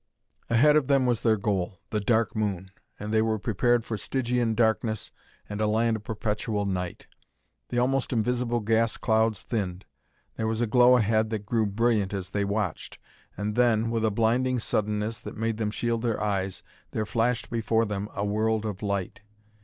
Ahead of them was their goal, the Dark Moon! And they were prepared for Stygian darkness and a land of perpetual night. The almost invisible gas clouds thinned; there was a glow ahead that grew brilliant as they watched; and then, with a blinding suddenness that made them shield their eyes, there flashed before them a world of light.